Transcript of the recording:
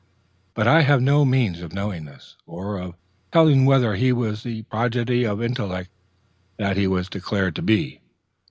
But I have no means of knowing this, or of telling whether he was the prodigy of intellect that he was declared to be.